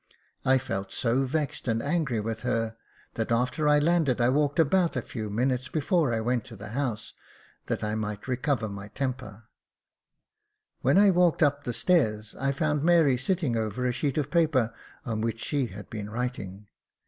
I felt so vexed and angry with her, that after I landed, I walked about a few minutes before I went to the house that I might j.F. 2 c 402 Jacob Faithful recover my temper. When I walked up the stairs I found Mary sitting over a sheet of paper, on which she had been writing.